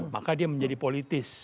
maka dia menjadi politis